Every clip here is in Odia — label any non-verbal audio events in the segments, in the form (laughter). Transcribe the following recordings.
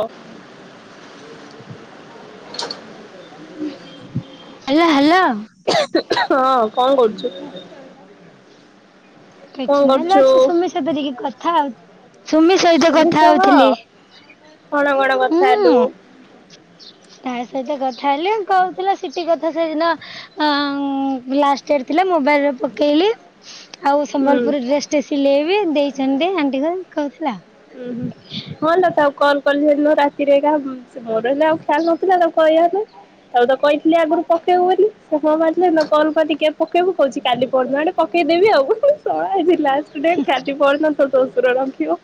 ଅ (inaudible) ହ୍ୟାଲୋ ହ୍ୟାଲୋ। ହଁ କଣ କରୁଛୁ? କଣ କିଛି ନଇଲୋ କରୁଛୁ? ଅଛି ସୁମି ସହିତ ଟିକେ କଥା ଆଉ ସୁମି ସହିତ ସୁମି କଥା ସହ ହଉଥିଲି। କଣ କଣ କଥା ହୁଁ ହେଲୁ ତା ସହିତ କଥା ହେଲି କହୁଥିଲା ସିଟି କଥା ସେଦିନ ଆଁ ଲାଷ୍ଟ ଇୟର ଥିଲା। ମୋବାଇଲରେ ପକେଇଲି ଆଉ ହୁଁ ସମ୍ବଲପୁରି ଡେସ ଟେ ସିଲେଇବ ଦେଇ ସେମତି ଆଣ୍ଟି କୁ କହୁଥିଲା ଉୁଁ ହୁଁ ହଁ ଲୋ ତ କଲ୍ କଲି ସେଦିନ ରାତିରେକା ମୋର ହେଲା ଆଉ ଖ୍ୟାଲ ନଥିଲା ତାକୁ କହିବାପାଇଁ ତାକୁ ତ କହିଥିଲେ ଆଗରୁ ପକେଇବୁ ବୋଲି ସେ ହଁ ମାରଥିଲା ସେଦିନ କଲ କଲି ପକେଇବୁ କହୁଛି କାଲି ପର ଦିନ ଆଡେ ପକେଇଦେବି ଆଉ ହୁଁ ସଳା ଲାଷ୍ଟ ଡେଟ କାଲି ପରଦିନ ପ ତୋ ସୁର (unintelligible)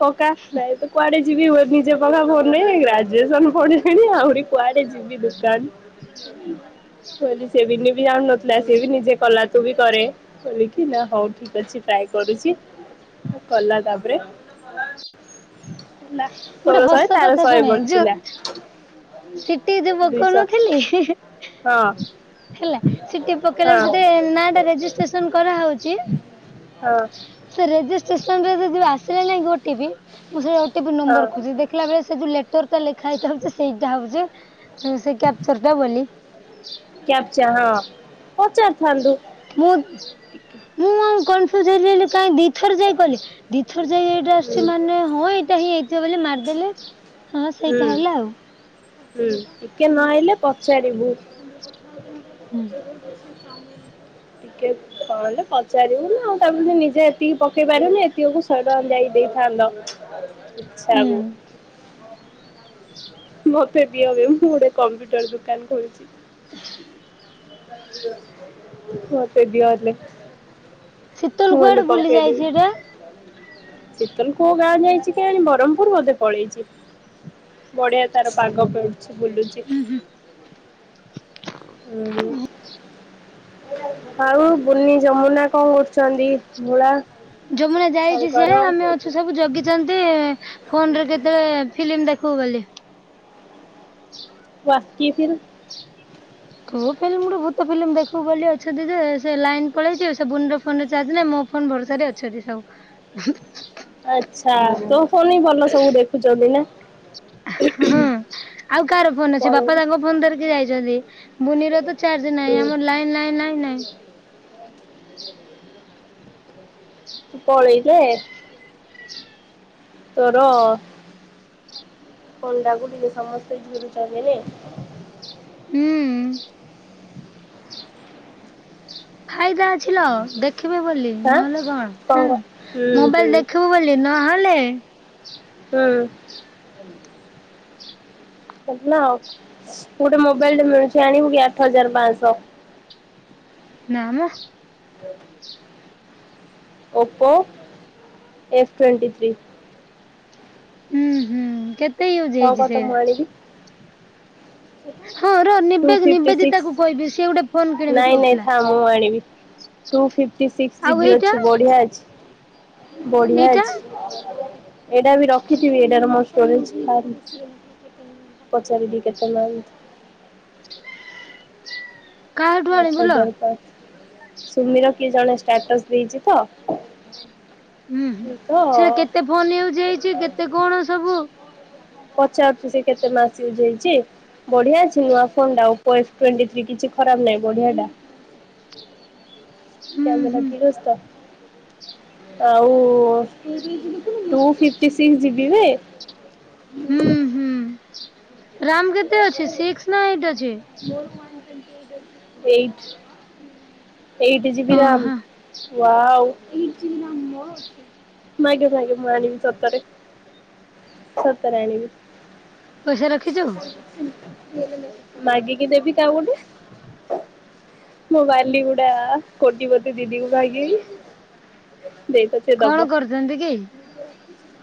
ପକା ଭାଇ ତ କୁଆଡେ ଯିବି ନିଜେ ପାକା ଫୋନ୍ ରେ ଗ୍ରାଜୁସନ ପଡିଲାଣି ଆହୁରି କୁଆଡେ ଯିବି ଦୋକାନ ସେ ବିିନି ବି ଜାଣ ନଥିଲା ସ ବି ନିଜେ କଲା ତୁ ବି କରେ ଲେଖିଲା ହଉ ଠିକ ଅଛି ଟ୍ରାଏ କରୁଛି କଲା ତା ପ ରେ ଗୋଟେ ହସ ତାର କଥା ଶହେ ଶୁଣେ ବଞ୍ଚିଲା ଯୋଉ ସିଟି ଯୋଉ ପକଉ ଦୁଇଶହ ନଥିଲି ହିଁ ହିଁ। ହଁ ହେଲା ସିଟି ପକେଇଲା ହଁ ବେଲକୁ ତତେ ନାଁ ଟା ରେଜିଷ୍ଟେସନ କରାଉଛି ହଁ ସେ ରେଜିଷ୍ ଷ୍ଟେସନ ରେ ଯଦି ଆସିଲା ନାହିଁ କି ଓ ଟି ପି ବି ମୁଁ ସେ ପି ହଁ ନମ୍ବର ଖୋଜି ଦେଖିଲା ବେଳେ ସେ ଯୋଉ ଲେ ଲେଖା ହେଇକି ଆଉଚି ସେଇଟା ହଉଛି ସେ କ୍ୟାପଚର ଟା ବୋଲି। ଆଛା ହଁ। ପଚାରିଥାନ୍ତୁ ମୁଁ ଟିକେ ମୁଁ ଆଉ କଣ (unintelligible) ଦିଥର ଯାଇ କଲି ଦିଥର ଯାଇ ଏଇଟା ହୁଁ ଆସିଛି ମାନେ ହଁ ଏଇଟା ହିଁ। ବୋଲି ମାରିଦେଲି। ହଁ ହୁଁ ସେଇଟା ହେଲା ଆଉ। ହୁଁ ଟିକେ ନହେଇ ହେଲେ ପଚାରିବୁ। ହୁଁ। ଟିକେ କଣହେଲେ ପଚାରିବୁ ନା ଆଉ ତାବୋଲି ନିଜେ ଏତିକି ପକେଇ ପାରିବୁନି ଏତିକି କୁ ଶହେ ଟଙ୍କା ଯାଇ ଦେଇଥାନ୍ତ। ହୁଁ ସବୁ। ମତେ ଦିଅବେ ମୁଁ ଗୋଟେ କମ୍ପ୍ୟୁଟର ଦୋକାନ ଖୋଲିଛି। ମତେ ଦିଅହେଲେ। ଶୀତଲ କୁଆଡେ ବୁଲି ଯାଇଛି ସେଇଟା। ଶୀତଲ କୋଉ ଗାଁ ଯାଇଛି କେଜାଣି ବରମପୁର ବୋଧେ ପଳେଇଛି ବଢିଆ ତାର ପାଗ ପୋ ଛି ବୁଲୁଛି। ହୁଁ। ଆଉ ବୁନି ଯମୁନା କଣ କରୁଛନ୍ତି ଭୋଳା। ଯମୁନା ଯାଇଛି ସିଆ ଆମେ ଅଛୁ ସବୁ ଜଗିଛନ୍ତି। ଫୋନ ରେ କେତେବେଳେ। ଫିଲ୍ମ ଦେଖୁ ବୋଲି। (unintelligible) ବାସିଥିଲି। କୋଉ ଫିଲ୍ମ ଗୋଟେ ଭୂତ ଫିଲ୍ମ ଦେଖୁ ବୋଲି ଅଛନ୍ତି ଯେ ଲାଇନ ପଳେଇଛି ସେ ବୁନର ଫୋନ ଚଜ ନାହିଁ ମୋ ଫୋନ ଭରସ ଅଛନ୍ତି ସବୁ। ଆଚ୍ଛା ତୋ ଫନି ଭଲ ସବୁ ଦେଖୁଛନ୍ତି ନା। ହଁ ଆଉ କାହାର ତୁ ଫୋନ ଅଛି ବାପା ପଳେଇଲୁ। ତାଙ୍କ ଫୋନ ଧରିକି ଯାଇଛନ୍ତି। ବୁନିର ତ ଚାର୍ଜ ହୁଁ ନାହିଁ ଆମର ଲାଇନ ଲାଇନ ଲାଇ ନାଇ। (inaudible) ତୁ ପଳେଇଲେ। ତୋର କଣ୍ଡାଗୁଡିରେ ସମସ୍ତେ ଝୁରୁଛନ୍ତି ନାଇ। ହୁଁ। ଫାଇଦା। ଦେଖିବି ବୋଲି ଆଁ ନହେଲେ କଣ କ ହୁଁ ମୋବାଇଲ ହୁଁ। ଦେଖିବୁ ବୋଲି ନହେଲେ ହୁଁ। ଗୋଟେ ମୋବାଇଲ ଟା ମିଳୁଛି ଆଣିବୁ କି ଆଠ ହଜାର ପାଞ୍ଚଶହ। ନା ମ। (inaudible) Oppo F twenty three. ହୁଁ ହୁଁ କେତେ ୟୁଜ ହ ହେଇଛି କତବ ସେଇଟା ମାବି ହଁ ର ନିବେଦ ଫିଫ୍ଟି ନିବେଦିତାକୁ ସିକ୍ସ କହିବି ସିଏ ଗୋଟେ ଫୋନ କିଣିବି ନାଇଁ ନାଇଁ କହୁଥିଲା ଥା ମୁଁ ଆଣିବି ଟୁ ଫିକ୍ସ ଆଉ ଜିବ ଏଇଟା ଅଛି ବଢିଆ ଅଛି। ବଢିଆ ଏଇଟା ଅଛି। ଏଇଟା ବି ରଖିଥିବି ଏଇଟାର ମୋର ପଚାରିବି କେତେ ମ କାହାଠୁ ଆଠ ଆଣିବୁ ଲୋ? ହଜାର ପାଞ୍ଚ ସୁମିର। କି ଜଣେ ଷ୍ଟାଟସ୍ ଦେଇଛି ତ ହୁଁ ହୁଁ ତ ସେଟା କେତେ ଫୋନ ୟୁଜ ହେଇଛି କେତେ କଣ ସବୁ। ପଚାରୁଛି ସେ କେତେ ମାସ ୟଜ ହେଇଛି ବଢିଆ ଅଛି ନୂଆ ଫୋନ ଟା ଓପ ଅଫ ଟିନ୍ତି ଥ୍ରୀ କି ଖରାପ ନାହିଁ ବଢିଆ ଟା। ହୁଁ କ୍ୟାମେ ହୁଁ। ଠ ଅଛି ତ ଆଉ (inaudible) ହୁଁ (inaudible) ରାମ କେତେ ଅଛି ସିକ୍ସ ନା ଏଇଟ ଅଛି। Eight. Eight G B RAM. ଓହୋ। ମାଗେ ମାଗେ ମୁଁ ଆଣିିବ ସତରେ ସତରେ ଆଣିିବି। କସ ରଖ ଦେଖଛୁ। ମାଗିକି ଦେବି ତା ଗୋଟେ ମୋବାଇଲି ଗୁଡା କଟିିବତ ଦିଦିକୁଗ ଦେଇ ତ ସେ କଣ ଦବ କରୁଛନ୍ତି କି?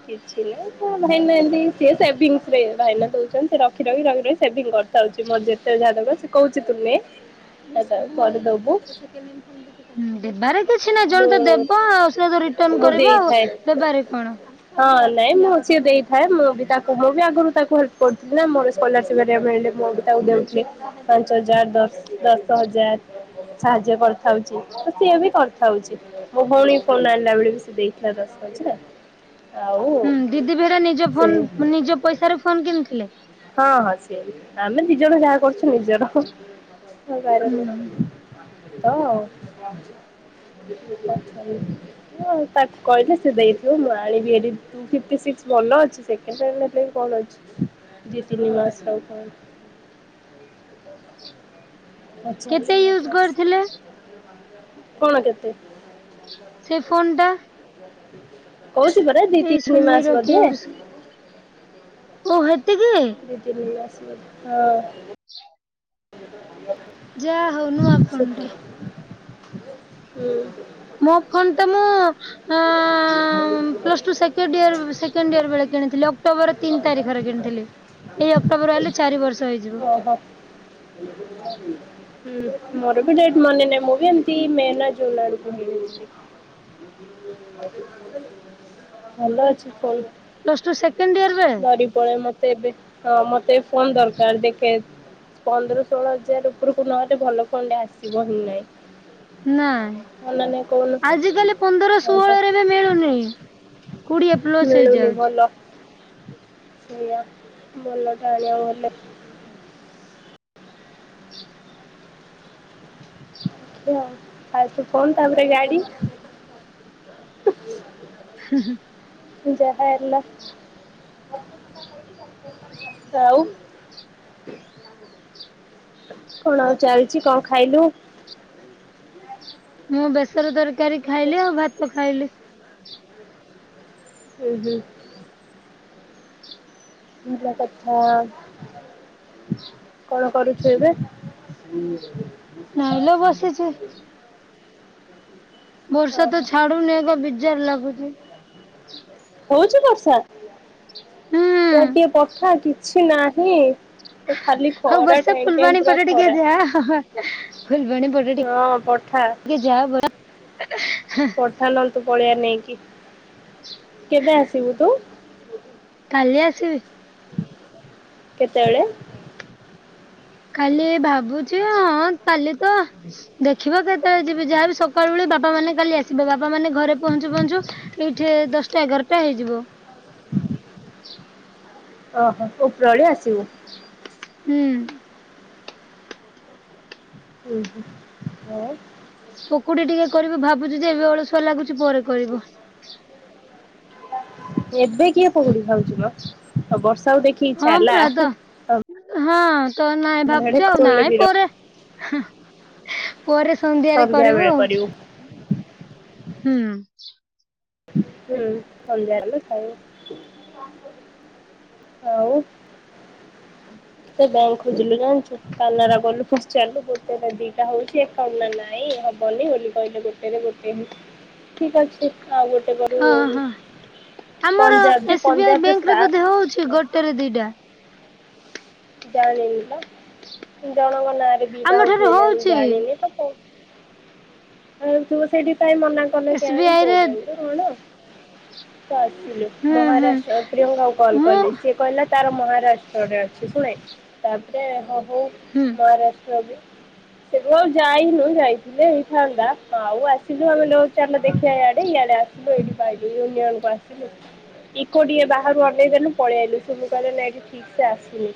କିଛି ନା ହଁ ଭାଇନା ଏମତି ସି ସେ ଭାଇ ଦଉଛନ୍ତି ରଖି ରଖି ରଖ ରଖ ସେ କରିଥାଉଛି ମୋର ଯେତେ ଯାହା ସେ କହୁଛି ତୁ ନେ। ମନେ ଦବୁ ସେ ଦେବାରେ କିଛି ନାହିଁ ଜଣେ ତ ଦେବ ଆଉ ସେଟା ତ ରିଟର୍ଣ ମୁଁ କରିବ ଆଉ ଦେଇଥାଏ। ଦେବାରେ କଣ। ହଁ ନାଇଁ ମୁଁ ସିଏ ଦେଇଥାଏ ମୁଁ ବି ତାକୁ ମୁଁ ବି ଆଗରୁ ତାକୁ ହେଲ୍ପ କରୁଥିଲି ନା ମୋର ସ୍କଲସିପ ମିଳିଲ ମୁଁ ବି ତାକୁ ଦେଉଥିଲି ପାଞ୍ଚ ହଜାର ଦଶ ଦଶ ଜା ସାହାଯ୍ୟ କରିଥାଉଛି ତ ସିଏ ବି କରିଥାଉଛି ମୋ ଭଉଣୀ ଫୋଣ ଆଣିଲା ବେଳେ ବି ସେ ଦେଇଥିଲା ଦଶ ଆଉ ହୁଁ ଦିଦି ବେହେରା ନିଜ ସେ ଫୋନ ନିଜ ପଇସାରେ ଫୋନ କିଣିଥିଲେ। ହଁ ହଁ ସି ଆମେ ଦି ଜଣ ଯାହା କରୁଛୁ ନିଜର। ହକାରାର ହୁଁ ତ ତାକୁ କହିଲେ ସେ ଦେଇଥିବ ମୁଁ ଆଣିବିହେରି ଫିଫ୍ଟୀ ସିକ୍ସି ମନେ ଅଛି ସେକେଣ୍ଡ କଣ ଅଛି? ରୀତିନିବାସ ରାହୁତ କେତେ ୟୁଜ କରିଥିଲେ କଣ କେତେ ସେ ଫୋନ ଟା ହ (inaudible) କହୁଚି ପରା ଦି ଏଇ ତିନି ସୁମିର ମାସ କିଏ ବୋଧେ ଗୋଟେ ଓ ହେଁ ଦିଦି ନେ଼ଇ ଆ ହଁଅ (inaudible) (inaudible) ଯାହା ହଉ ନୁଆପଣ ଟା ସେତିକି ହୁଁ ମୋ ଫନ ତ ମୁଁ ଅ ଅ ପ୍ଳଷ୍ଟୁସେଣ୍ଡଇର ସେକେଣ୍ଡଇର ବେଳେ କିଣିଥିଲି ଅକ୍ଟୋବର ତିନି ତାରିଖରେ କିଣିଥିଲି ଏଇ ଅକ୍ଟୋବର ହେଲେ ଚାରି ବର୍ଷ ହେଇଯିବ ଓହୋ। ହୁଁ ମୋର ବି ଡେଟ ମନେ ନାହିଁ ମୁଁ ବି ଏମିତି ମେ ନା ଜୁନ୍ ଆଡକୁ କିଣିଥି ଭଲ ଅଛି କଲ ପ୍ଲସ ଟୁ ସେକେଣ୍ଡ ଇୟର ବେଳେ ଧରି ପଳେ ମତେ ଏବେ ହଁ ମତେ ଏବେ ଫୋନ ଦରକାର ଦେଖେ ପନ୍ଦର ଷୋହଳ ହଜାର ଉପରକୁ ନହେଲେ ଭଲ ଫୋନ ଟେ ଆସିବ ହିଁ ନାଇଁ। ନାଇଁ ହଁ ନା କହୁନୁ ଆଜି କାଲି ପନ୍ଦରଶ୍ ମିଳୁନି କୋଡିଏ ଭଲ। ପ୍ଲସ୍ ହେଇଯାଉଛି ସେଆ ଭାଲ ଟା ଆଣିବ ବୋଲେ ଅମିତ୍ ଆଗ ଫୋନ୍ ତା ପରେ ଗାଡି ହୁଁ ହୁଁ ଜା ଆଉ କଣ ଆଉ ଚାଲିଛି କଣ ଖାଇଲୁ ମୁଁ ବେସର ଦରକି ତରକାରୀ ଖାଇଲି ଆଉ ଭାତ ଖାଇଲି ହୁଁ ହୁଁ ବଛା କଣ କରୁଛୁ ଏବେ ହୁଁ ନାଇଲ ବସିଛି ବର୍ଷା ତ ଓହୋ ଛାଡୁ ନି ବିିଜାଡ ଲାଗୁଛି (inaudible) ହଉଛି ବର୍ଷା ହୁଁ ୟାଡେ ଟିକେ ପଠା କିଛି କିଛି ନାହିଁ ଖାଲି ଆଉ ଖରା ବର୍ଷା ଟାଇମ୍ ଟାଇମ୍ ଫୁଲବାଣୀ ପୁରା ପଟେ ଟିକେ ଖରା। ଯାହା ଫୁଲବାଣୀ ପଟ ହଁ ପଠା ଟିକେ ଯାହା ବର୍ଷା ପଠାନଅନ୍ତୁ ପଳେଇଆ ନେଇକି କେବେ ଆସିବୁ ତୁ କାଲି ଆସିବି କେତେବେଳେ କାଲି ଭାବୁ ଭାବୁଛି ହଁ କାଲି ତ ଦେଖିବା କେତେ ଯିବେ ଯାହାବି ସକାଳୁ ବେଳେ ବାପା ମାନେ କାଲି ଆସିବେ ବାପା ମାନେ ଘରେ ପହଞ୍ଚୁ ପହଞ୍ଚୁ ଏଇଠି ଦଶଟା ଏଗାରଟା ହେଇଯିବ ଓହୋ ଉପରଓଳି ଆସିବୁ ହୁଁ ଉଁ ହୁଁ ହଁ ପୋକୁଡି ଟିକେ କରିବି ଭାବୁଛି ଯେ ଏତେ ଅଳସୁଆ ଲାଗୁଛି ପରେ କରିବ ଏବେ କିଏ ପକୁଡି ହେଉଛି ବା ଆଉ ବର୍ଷା ସବୁ ଦେଖି ଇଚ୍ଛା ହଁ ହେଲା ପରା ତ ହଁ ତ ନାଇଁ ଆମର ଆଡେ ଭାବୁଛୁ ଆଉ ଖୋଳିଲେ ନାଇଁ ବିର ପରେ ପରେ ସନ୍ଧ୍ୟାରେ ସନ୍ଧ୍ୟା କରିବୁ ବେଳେ ଆଉ ହୁଁ (inaudible) ହୁଁ ସନ୍ଧ୍ୟା ହେଲୁ ଖାଇ ଆଉ ତ ବ୍ୟାଙ୍କ ଖୋଜିଲୁ ଜାଣିଛୁ କାନାରା ଗଲୁ ପଚାରିଲୁ ଗୋଟେ ଦିଟା ହଉଛି ଏକାଉଣ୍ଟ ନା ନାଇଁ ହବନି ବୋଲି କହିଲେ ଗୋଟେରେ ଗୋଟେ ଠିକ ଅଛି। ଆଉ ଗୋଟେ କରୁ ହଁ ହଁ ଆମର ପଞ୍ଜାବ ଯେ ଏସ ବି ଆଇ ପଞ୍ଜାବରେ ବ୍ୟାଙ୍କରେ ବୋଧେ ହଉଛି ଷ୍ଟାଫ ଗୋଟେରେ ଦିଇଟା ଜାଣିନି ତ ଜଣଙ୍କ ର ନାଁରେ ଦିଟା ଆମ ଠାରୁ ହଉଛିକି ନାଇଁ ମୁଁ ହଉଛି ଜାଣିନି ତ କହୁ? ଆଉ ଏମିତି ଗୋଟେ ଦି ଦିଟା ମନା କଲେ କେ ଏସ୍ ବି ଆଣ ଆଇ କୋଉ ବ୍ୟାଙ୍କ ରେ କଣ ତ ଆସିଲୁ ହୁଁ ହୁଁ ମହାରାଷ୍ଟ ପ୍ରିୟଙ୍କା କୁ କଲ ମୁଁ କଲି ସିଏ କହିଲା ତାର ମହାରାଷ୍ଟ୍ରରେ ଅଛି ଶୁଣେ ତାପରେ ହଉ ହଉ ହୁଁ ମହାରାଷ୍ଟ୍ର ବି ସେଠୁ ଆଉ ଯାଇନୁ ଯାଇଥିଲେ। ଥାନ୍ତା ଆଉ ଆସିଲୁ ଆମେ ଚାଲ ଦେଖିବା ଇଆଡେ ଆସିଲୁ ଏଇଠିକୁ ଆଇଲୁ ୟୁନିଅନ କୁ ଆସିଲୁ ଇକୋ ଟିକେ ବାହାରୁ ଅନେଇ ଦେଲୁ ପଳେଇ ଆଇଲୁ ସେ କହିଲେ ନାଇଁ ଠିକ ସେ ଆସିନି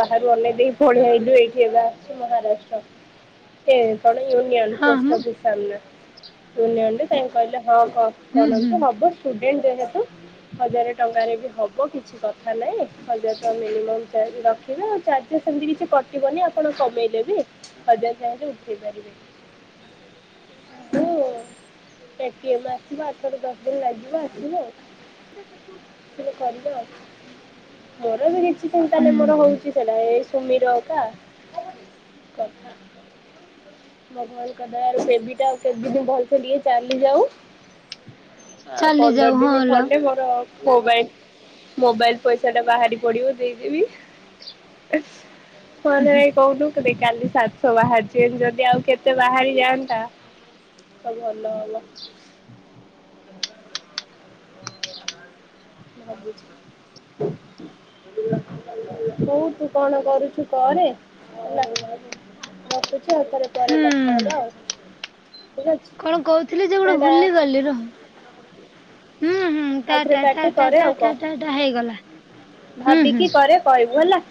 ବାହାରୁ ଅନେଇ ଦେଇକି ପଳେଇ ଆଇଲୁ ଏଇଠି ଏବେ ଆସିଛୁ ମହାରାଷ୍ଟ୍ର ସେ କଣ କି ୟୁନିଅନ ହଁ ମୁଁ ପୋଷ୍ଟ ଅଫିସ ସାମ୍ନା ୟୁନିଅନ ରେ ସେମ୍ ହୁଁ କହିଲା। ହୁଁ। (unintelligible) ଯେହେତୁ ହଜାର ଟଙ୍କାରେ ବି ହବ କିଛି କଥା ନାହିଁ ହଜାର ଟଙ୍କା ମିନିମମ୍ ରଖିବେ ଆଉ ଚାର୍ଜେସ୍ ସେମିତି କିଛି କଟିବନି ଆପଣ କମେଇଦେବେ ହଜାର ଟଙ୍କା ବି ଉଠେଇ ପାରିବେ ହୁଁ ଏଟିଏମ ଆସିବ ଆଠରୁ ଦଶ ଦିନ ଲାଗିବ ଆସିବ ସେ କରିିବ। ମୋର ବି ରି କିଛି ଚିନ୍ତା ନାଇ ହୁଁ ମୋର ହୁଁ ହଉଛି ସେଇଟା ଏ ସୁମିରକା (inaudible) କଥା ମୋ ଭଲ (unintelligible) ଦୟାରୁ (unintelligible) ଆଉ ଭଲସେ ଟିକେ ଚାଲିଯାଉ ଆ ଚାଲି ପନ୍ଦର ଯାଉ ହଁ ଦିନ ଲୋ ଖଣ୍ଡେ ମୋର ମୋବାଇଲ ମୋବାଇଲ ପଇସା ଟା ବାହାରି ପଡିବ ଦେଇଦେବି କଣ ହେଲା କହୁନୁ ଗୋଟେ କାଲି ସାତଶହ ବାହାରିଛେ ଯଦି ଆଉ କେତେ ବାହାରି ଦିଅନ୍ତା ସବୁ ଭଲ ହେବ। ହଉ ତୁ କଣ କରୁଛୁ କରେ ମତେ ଛି ପରେ ପରେ କଥା ହୁଁ ହବା ଆଉ। ଠିକ ଅଛି କଣ କହୁଥିଲି ଯେ ଗୋଟେ ଟା ଟା। ଭୁଲିଗଲି ରହ। ହୁଁ ହୁଁ ଟା ଆଉଥରେ ଟା ଟା କାଟେ ଟା କରେ ଟା ଆଉ ଟା ଟା ଟା ହେଇଗଲା। କହ ହୁଁ ହୁଁ ଭାବିକି କରେ କହିବୁ ହେଲା।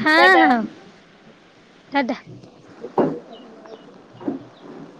ହଁ ଟା ଟା। ହଁ ଟା ଟା। ହୁଁ ହୁ (inaudible)